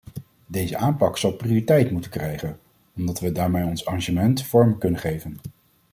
Deze aanpak zal prioriteit moeten krijgen, omdat wij daarmee ons engagement vorm kunnen geven.